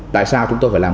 tại sao chúng tôi phải làm